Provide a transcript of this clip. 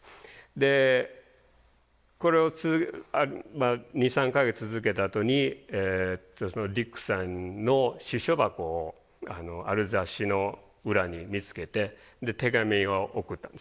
でこれを２３か月続けたあとにディックさんの私書箱をある雑誌の裏に見つけて手紙を送ったんですね。